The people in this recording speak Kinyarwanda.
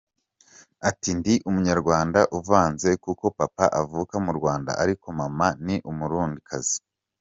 Ati “Ndi Umunyarwanda uvanze kuko papa avuka mu Rwanda ariko mama ni Umurundikazi”.